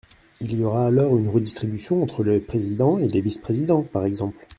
Il y aura alors une redistribution entre le président et les vice-présidents, par exemple.